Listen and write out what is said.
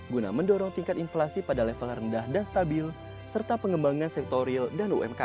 guna mendorong tingkat inflasi pada level rendah dan stabil serta pengembangan sektor real dan umkm